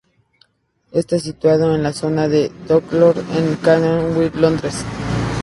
Está situado en en la zona de Docklands en el Canary Wharf, Londres.